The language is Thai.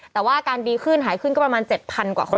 แต่ว่าอาการดีขึ้นหายขึ้นก็ประมาณ๗๐๐กว่าคน